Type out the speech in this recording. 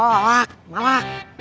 eh malah malah